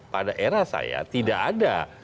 pada era saya tidak ada